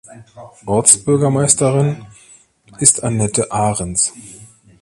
Ortsbürgermeisterin ist Annette Ahrens.